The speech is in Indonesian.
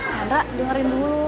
chandra dengerin dulu